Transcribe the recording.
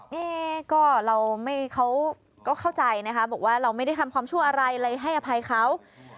นี่ก็เราก็เข้าใจนะคะบอกว่าเราไม่ได้ทำความชั่วอะไรอะไรให้อภัยเขา